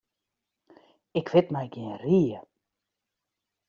Ik wit my gjin rie.